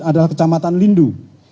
adalah kecamatan lindu